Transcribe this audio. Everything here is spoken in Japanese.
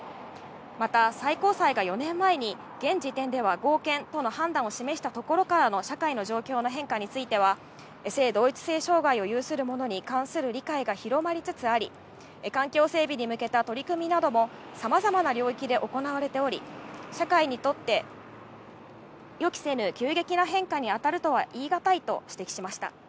また、最高裁が４年前に、現時点では合憲との判断を示したところからの社会の状況の変化については、性同一性障害を有する者に関する理解が広まりつつあり、環境整備に向けた取り組みなどもさまざまな領域で行われており、社会にとって、予期せぬ急激な変化に当たるとは言い難いと指摘しました。